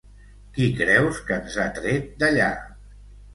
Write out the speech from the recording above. Qui creus que ens ha tret d'allà?